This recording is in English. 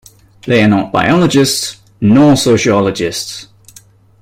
They are not biologists nor sociologists.